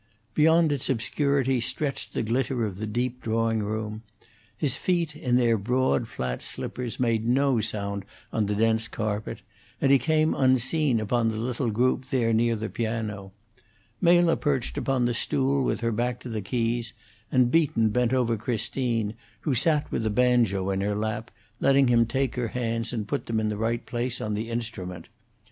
Beyond its obscurity stretched the glitter of the deep drawing room. His feet, in their broad, flat slippers, made no sound on the dense carpet, and he came unseen upon the little group there near the piano. Mela perched upon the stool with her back to the keys, and Beaton bent over Christine, who sat with a banjo in her lap, letting him take her hands and put them in the right place on the instrument.